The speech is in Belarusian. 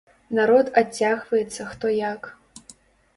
Народ адцягваецца хто як.